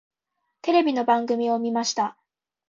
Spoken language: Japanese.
テレビの番組を見ました。